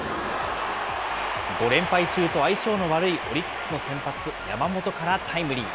５連敗中と相性の悪いオリックスの先発、山本からタイムリー。